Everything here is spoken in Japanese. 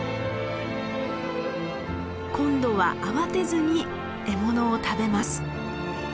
今度は慌てずに獲物を食べます。